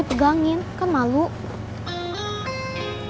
ada pengharga a com